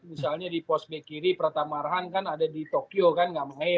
misalnya di pos b kiri pratamarhan kan ada di tokyo kan nggak main